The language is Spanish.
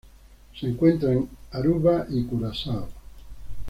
Se encuentra en Aruba y Curazao.